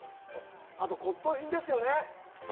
あと、骨とう品ですよね？